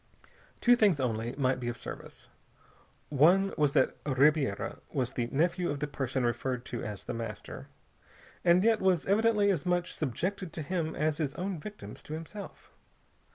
Two things, only, might be of service. One was that Ribiera was the nephew of the person referred to as The Master, and yet was evidently as much subjected to him as his own victims to himself.